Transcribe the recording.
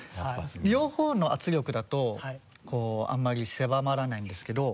両方の圧力だとあんまり狭まらないんですけど。